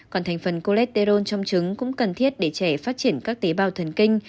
còn thành phần cholesterol trong trứng cũng cần thiết để trẻ phát triển các tế bào thần kinh